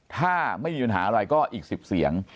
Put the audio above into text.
ถ้าไม่มีปัญหาอะไรก็อีก๑๐เสียง